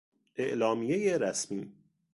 اعلامیهی رسمی